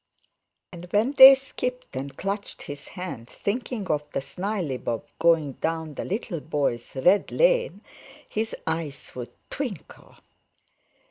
And when they skipped and clutched his hand, thinking of the snileybob going down the little boy's "red lane," his eyes would twinkle.